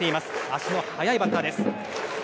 足の速いバッターです。